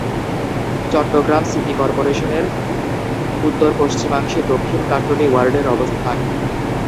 Chittagong city কর্পোরেশনের উত্তর-পশ্চিমাংশে দক্ষিণ কাট্টলী ওয়ার্ডের অবস্থান।